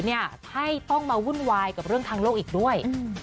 ให้ต้องมาวุ่นวายกับเรื่องทางโลกอีกด้วย